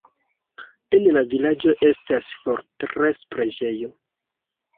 En la vilaĝo estas fortres-preĝejo.